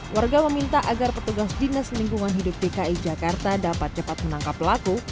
warga meminta agar petugas dinas lingkungan hidup dki jakarta dapat cepat menangkap pelaku